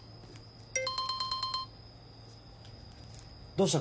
どうした？